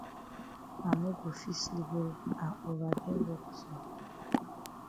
I no go fit sleep wey I ova get wok so.